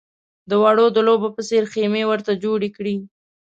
د وړو د لوبو په څېر خېمې ورته جوړې کړې.